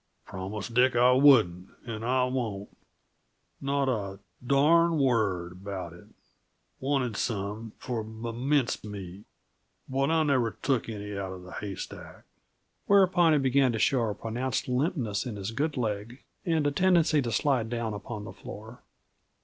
"Promised Dick I wouldn't, and I won't. Not a darn word about it. Wanted some for m' mince meat, but I never took any outa the haystack." Whereupon he began to show a pronounced limpness in his good leg, and a tendency to slide down upon the floor.